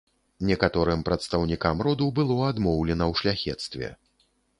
Некаторым прадстаўнікам роду было адмоўлена ў шляхецтве.